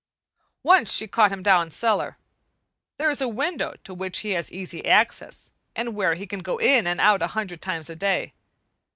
Once she caught him down cellar. There is a window to which he has easy access, and where he can go in and out a hundred times a day.